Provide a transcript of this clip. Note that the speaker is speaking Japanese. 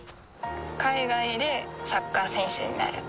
海外でサッカー選手になる